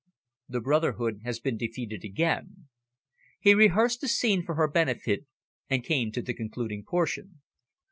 "The brotherhood has been defeated again." He rehearsed the scene for her benefit, and came to the concluding portion.